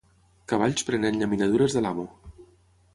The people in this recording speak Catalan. Cavalls prenent llaminadures de l'amo.